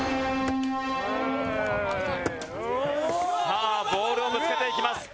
さあボールをぶつけていきます。